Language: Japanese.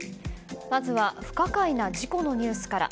まずは不可解な事故のニュースから。